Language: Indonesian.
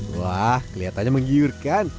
wah kelihatannya menggiur kan